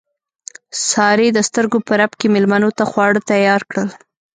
سارې د سترګو په رپ کې مېلمنو ته خواړه تیار کړل.